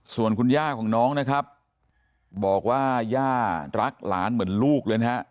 ส่วนคุณย่าของน้องนะครับบอกว่าย่ารักหลานเหมือนลูกเลยนะฮะ